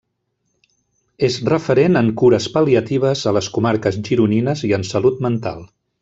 És referent en Cures Pal·liatives a les Comarques gironines i en Salut Mental.